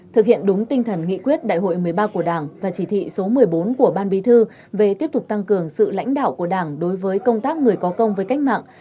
thực hiện đúng tinh thần nghị quyết đại hội một mươi ba của đảng và chỉ thị số một mươi bốn của ban bí thư về tiếp tục tăng cường sự lãnh đạo của đảng đối với công tác người có công với cách mạng